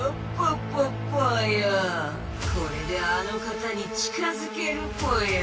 これであの方に近づけるぽよ！